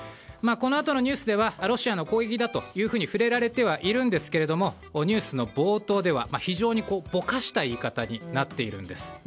このあとのニュースではロシアの攻撃だと触れられてはいるんですけどもニュースの冒頭では非常にぼかした言い方になっているんです。